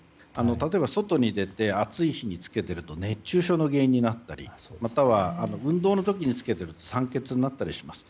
例えば外に出て暑い日に着けていると熱中症の原因になったりまたは運動の時に着けていると酸欠になったりします。